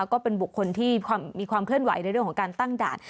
ก็เป็นบุคคลที่มีความเคลื่อนไหวในเรื่องของการตั้งด่าน